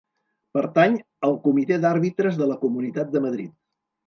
Pertany al Comitè d'Àrbitres de la Comunitat de Madrid.